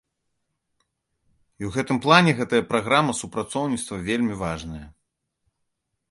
І ў гэтым плане гэтая праграма супрацоўніцтва вельмі важная.